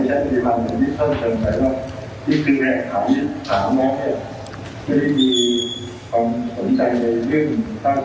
ไปเลยฝากนิดข้อความวิทยาของเราเพราะหลอกการเข้าไปแต่คุณพี่ด้วย